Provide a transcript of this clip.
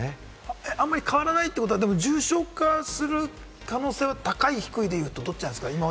変わらないってことは重症化する可能性が高い低いで言うと、どっちなんですか？